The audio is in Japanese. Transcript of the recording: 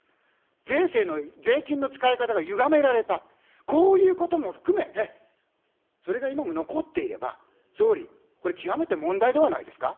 税制の、税金の使い方がゆがめられた、こういうことも含めて、それが今も残っていれば、総理、これ、極めて問題ではないですか。